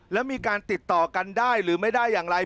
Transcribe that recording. แล้วมีการติดต่อกันได้หรือไม่ได้อย่างไร